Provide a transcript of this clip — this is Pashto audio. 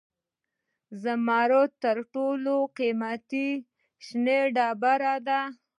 زمرد تر ټولو قیمتي شنه ډبره ده.